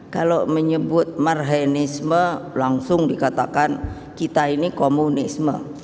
kalau menyebut marhenisme langsung dikatakan kita ini komunisme